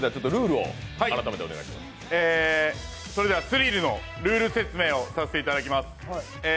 スリルのルール説明をさせていただきます。